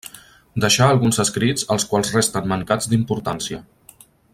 Deixà alguns escrits els quals resten mancats d'importància.